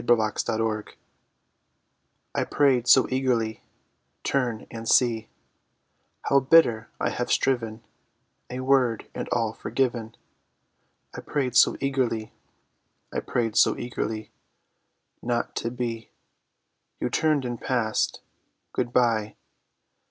"I PRAYED SO EAGERLY" I prayed so eagerly, "Turn and see How bitter I have striven— A word and all forgiven." I prayed so eagerly. I prayed so eagerly— Not to be, You turned and passed. Good bye!